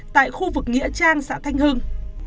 tại khu vực nghĩa trang xã thanh hưng